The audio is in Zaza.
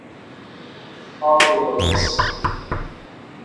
Hardo dewres.